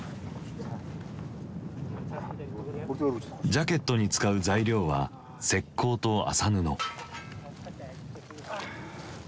ジャケットに使う材料は石こうと麻布。